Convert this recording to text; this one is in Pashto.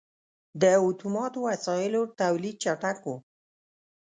• د اتوماتو وسایلو تولید چټک و.